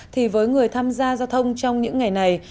thì với người tham gia giao thông trong những ngày này